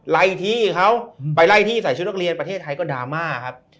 ไล่ที่เขาไปไล่ที่ใส่ชุดนักเรียนประเทศไทยก็ดราม่าครับ